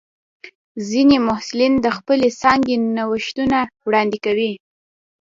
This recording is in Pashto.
ځینې محصلین د خپلې څانګې نوښتونه وړاندې کوي.